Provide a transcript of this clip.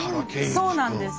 そうなんです。